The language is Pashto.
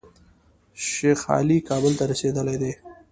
شیخ علي کابل ته رسېدلی.